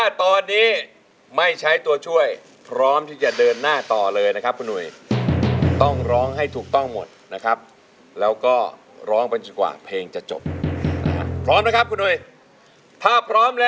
รวมกันเพลงนี้เป็น๑๕๐แล้วนะคะ